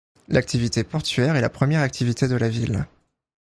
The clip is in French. L'activité portuaire est la première activité de la ville.